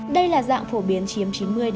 đây là dạng phổ biến chiếm chín mươi chín mươi năm